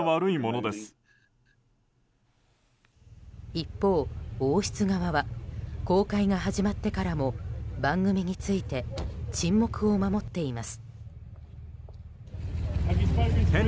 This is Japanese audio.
一方、王室側は公開が始まってからも番組について沈黙を守っています。